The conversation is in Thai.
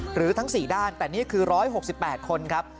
หรือทั้ง๔ด้านแต่นี่คือ๑๖๘คนครับ